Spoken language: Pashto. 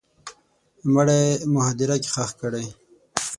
مړی مو هدیره کي ښخ کړی